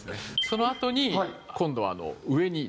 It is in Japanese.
そのあとに今度は上に。